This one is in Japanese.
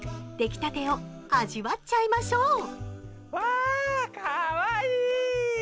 出来たてを味わっちゃいましょう。